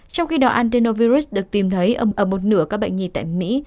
trong khi đó adenovirus được tìm thấy ở một nửa các bệnh nhi tại mỹ